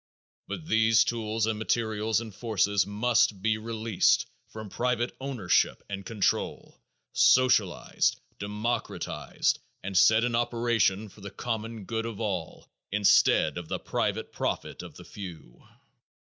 But these tools and materials and forces must be released from private ownership and control, socialized, democratized, and set in operation for the common good of all instead of the private profit of the few.